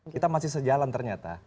kita masih sejalan ternyata